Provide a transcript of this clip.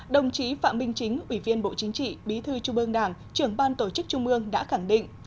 đồng chí phạm minh chính ủy viên bộ chính trị bí thư trung ương đảng trưởng ban tổ chức trung ương đã khẳng định